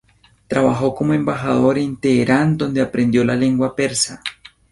Trabajó como embajador en Teherán donde aprendió la lengua persa.